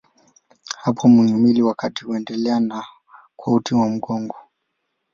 Hapa mhimili wa kati unaendelea kuwa uti wa mgongo.